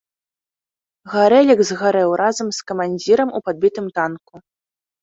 Гарэлік згарэў разам з камандзірам у падбітым танку.